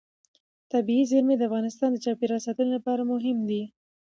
طبیعي زیرمې د افغانستان د چاپیریال ساتنې لپاره مهم دي.